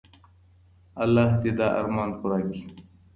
الله دې دا ارمان پوره کړي.